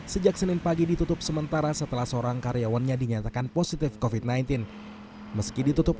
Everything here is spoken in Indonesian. sejak senin pagi ditutup sementara setelah seorang karyawannya dinyatakan positif kofit sembilan belas meski ditutup